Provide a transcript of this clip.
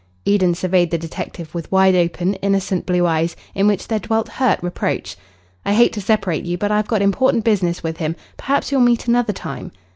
Eden surveyed the detective with wide open, innocent blue eyes in which there dwelt hurt reproach. "I hate to separate you, but I've got important business with him. Perhaps you'll meet another time."